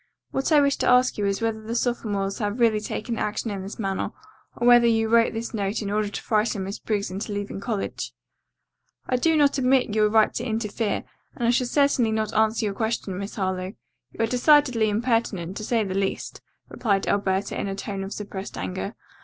What I wish to ask you is whether the sophomores have really taken action in this matter, or whether you wrote this note in order to frighten Miss Briggs into leaving college?" "I do not admit your right to interfere, and I shall certainly not answer your question, Miss Harlowe. You are decidedly impertinent, to say the least," replied Alberta in a tone of suppressed anger.